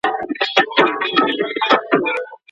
په قلم خط لیکل سوی اصلي سند په اسانۍ نه بدلیږي.